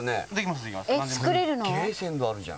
すっげえ鮮度あるじゃん